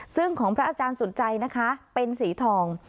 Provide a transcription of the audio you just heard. ซึ่งของพระอาจารย์สุดใจนะคะเป็นสีทอง